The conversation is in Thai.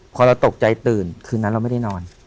พอเราตกใจตื่นคืนนั้นเราไม่ได้นอน